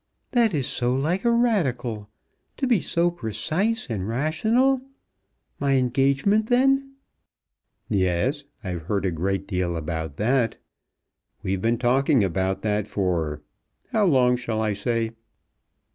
"That is so like a Radical, to be so precise and rational. My engagement then?" "Yes; I've heard a great deal about that. We've been talking about that for how long shall I say?"